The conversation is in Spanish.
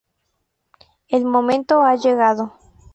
El momento ha llegado.